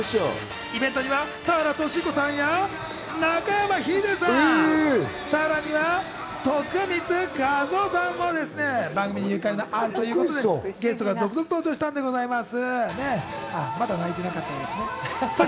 イベントには田原俊彦や中山ヒデさん、さらには徳光和夫さん、番組に縁のあるということで、ゲストが続々登場したんでございます。